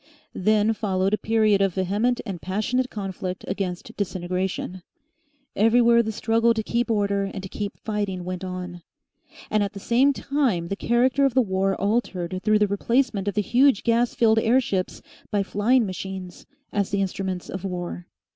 Then followed a period of vehement and passionate conflict against disintegration; everywhere the struggle to keep order and to keep fighting went on. And at the same time the character of the war altered through the replacement of the huge gas filled airships by flying machines as the instruments of war.